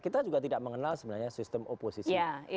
kita juga tidak mengenal sebenarnya sistem oposisi